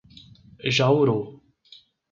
Jauru